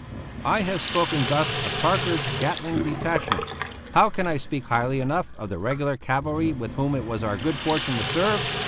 I have spoken thus of Parker's Gatling detachment. How can I speak highly enough of the regular cavalry with whom it was our good fortune to serve?